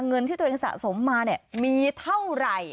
เงินที่ตัวเองสะสมมาเนี่ยมีเท่าไหร่